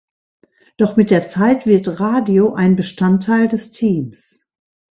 Doch mit der Zeit wird Radio ein Bestandteil des Teams.